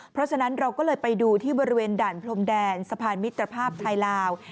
เพราะฉะนั้นเราก็เลยไปดูที่บริเวณด่านพรมแดนสะพานมิตรภาพไทยลาว